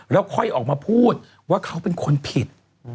แล้วค่อยออกมาพูดว่าเขาเป็นคนผิด